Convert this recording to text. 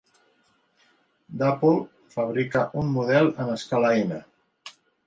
Dapol fabrica un model en escala N.